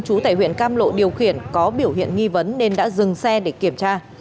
chú tại huyện cam lộ điều khiển có biểu hiện nghi vấn nên đã dừng xe để kiểm tra